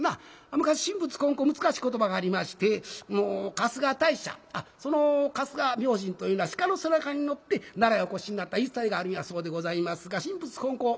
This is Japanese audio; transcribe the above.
昔神仏混交難しい言葉がありまして春日大社あっその春日明神というのは鹿の背中に乗って奈良へお越しになった言い伝えがあるんやそうでございますが神仏混交